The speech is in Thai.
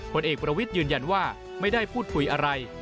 ผลเอกประวิทย์ยืนยันว่าไม่ได้พูดคุยอะไร